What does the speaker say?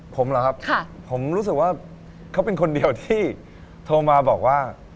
ผมเหรอครับผมรู้สึกว่าเขาเป็นคนเดียวที่โทรมาบอกว่า